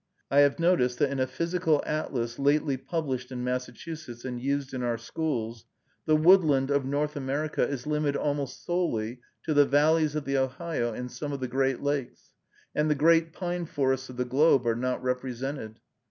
I have noticed that in a physical atlas lately published in Massachusetts, and used in our schools, the "wood land" of North America is limited almost solely to the valleys of the Ohio and some of the Great Lakes, and the great pine forests of the globe are not represented.